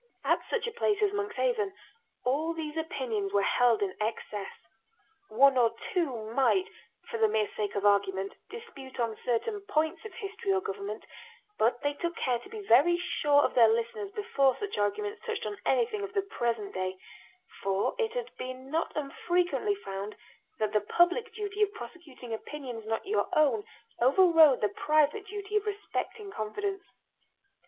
At such a place as Monkshaven all these opinions were held in excess. One or two might, for the mere sake of argument, dispute on certain points of history or government; but they took care to be very sure of their listeners before such arguments touched on anything of the present day; for it had been not unfrequently found that the public duty of prosecuting opinions not your own overrode the private duty of respecting confidence.